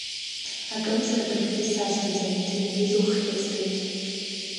Акымзар акагьы сашьҭаӡам, Ҭенгьыз, уххь згеит.